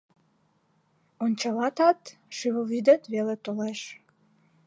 Ончалатат, шӱвылвӱдет веле толеш.